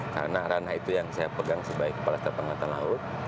karena ranah itu yang saya pegang sebagai kepala setara angkatan laut